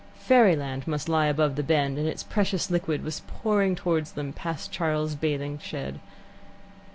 Fairyland must lie above the bend, and its precious liquid was pouring towards them past Charles's bathing shed.